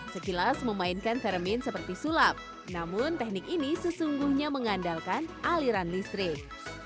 sekilas memainkan termin seperti sulap namun teknik ini sesungguhnya mengandalkan aliran listrik